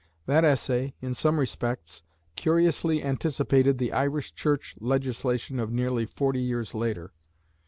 That essay, in some respects, curiously anticipated the Irish Church legislation of nearly forty years later.